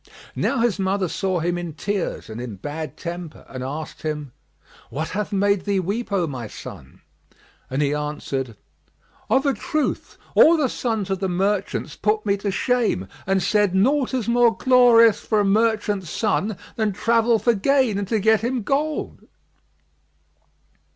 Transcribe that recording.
Now his mother saw him in tears and in bad temper and asked him, "What hath made thee weep, O my son?"; and he answered, "Of a truth, all the sons of the merchants put me to shame and said, 'Naught is more glorious for a merchant's son than travel for gain and to get him gold.'"